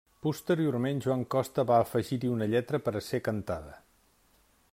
Posteriorment Joan Costa va afegir-hi una lletra per a ser cantada.